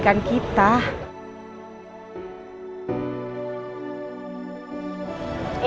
kan mal anges dato